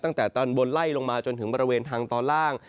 ตั้งแต่ตอนบนไล่ลงมาจนถึงบริเวณทางตอนล่าง